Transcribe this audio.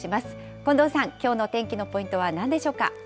近藤さん、きょうのお天気のポイントはなんでしょうか。